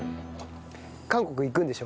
韓国行くんでしょ？